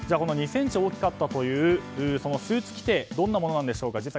２ｃｍ大きかったというスーツ規定どんなものなんでしょうか。